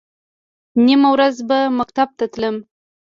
نیمه ورځ به مکتب ته تلم.